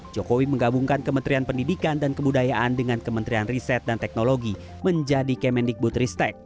jokowi menggabungkan kementerian pendidikan dan kebudayaan dengan kementerian riset dan teknologi menjadi kemendikbud ristek